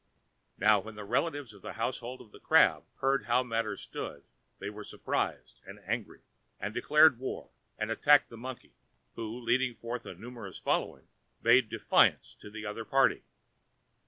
Now, when the relatives and household of the Crab heard how matters stood, they were surprised and angry, and declared war, and attacked the Monkey, who, leading forth a numerous following, bade defiance to the other party.